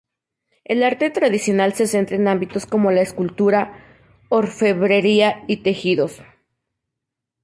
El arte tradicional se centra en ámbitos como la escultura, orfebrería y tejidos.